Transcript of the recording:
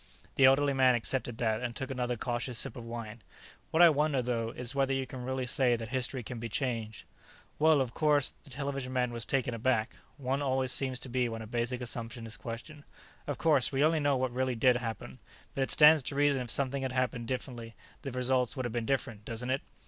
The elderly man accepted that and took another cautious sip of wine. "What I wonder, though, is whether you can really say that history can be changed." "Well, of course " The television man was taken aback; one always seems to be when a basic assumption is questioned. "Of course, we only know what really did happen, but it stands to reason if something had happened differently, the results would have been different, doesn't it?"